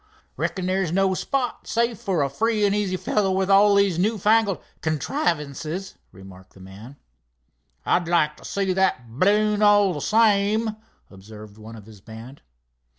"Reckon there's no spot safe for a free and easy fellow with all these new fangled contrivances," remarked the man. "I'd like to see that balloon, all the same," observed one of his band.